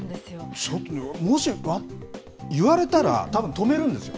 もし、言われたら、たぶん止めるんですよ。